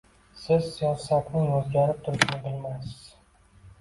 Siz siyosatning o‘zgarib turishini bilmaysiz